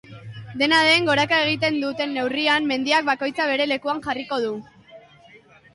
Dena den goraka egiten duten neurrian, mendiak bakoitza bere lekuan jarriko du.